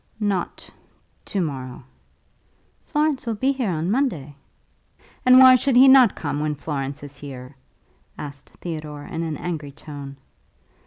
"Not to morrow." "Florence will be here on Monday." "And why should he not come when Florence is here?" asked Theodore, in an angry tone.